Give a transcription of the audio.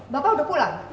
bapak sudah pulang